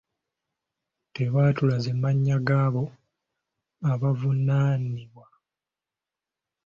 Tebaatulaze mannya g'abo abavunaanibwa.